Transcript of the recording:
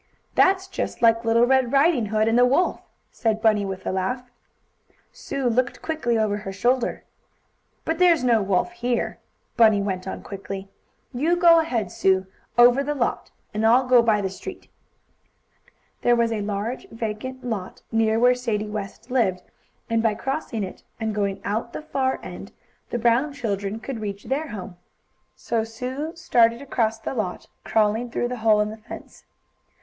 "That's just like little Red Riding Hood and the wolf," said Bunny with a laugh. Sue looked quickly over her shoulder. "But there's no wolf here," Bunny went on quickly. "You go ahead, Sue, over the lot, and I'll go by the street." There was a large vacant lot, near where Sadie West lived, and by crossing it, and going out at the far end, the Brown children could reach their home. So Sue started across the lot, crawling through a hole in the fence.